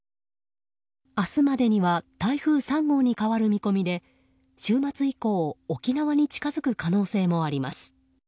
明日までには台風３号に変わる見込みで週末以降沖縄に近づく可能性もあります。